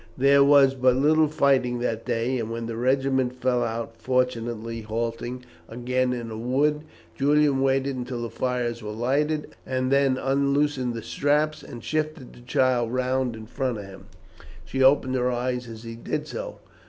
There was but little fighting that day, and when the regiment fell out, fortunately halting again in a wood, Julian waited until the fires were lighted, and then unloosened the straps and shifted the child round in front of him. She opened her eyes as he did so.